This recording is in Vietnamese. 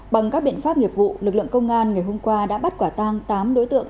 bằng các biện pháp nghiệp vụ lực lượng công an ngày hôm qua đã bắt quả tang tám đối tượng